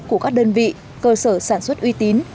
của các đơn vị cơ sở sản xuất uy tín